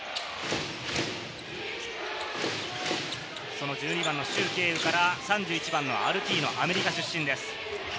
その１２番のシュウ・ケイウから３１番のアルティーノ、アメリカ出身です。